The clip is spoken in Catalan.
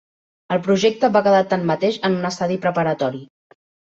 El projecte va quedar tanmateix en un estadi preparatori.